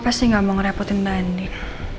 pasti gak mau ngerepotin mbak anin